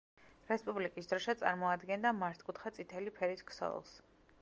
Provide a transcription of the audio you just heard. რესპუბლიკის დროშა წარმოადგენდა მართკუთხა წითელი ფერის ქსოვილს.